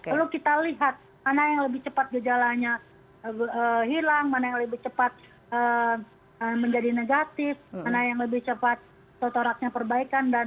lalu kita lihat mana yang lebih cepat gejalanya hilang mana yang lebih cepat menjadi negatif mana yang lebih cepat totoraknya perbaikan